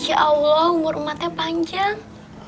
insya allah umur umatnya panjang